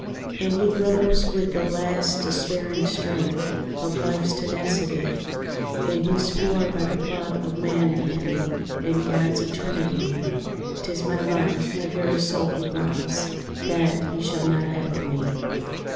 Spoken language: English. And he rose with the last despairing strength Of life's tenacity, And he swore by the blood of man in him, And God's eternity, "'Tis my life, my very soul he wants; That he shall not have of me."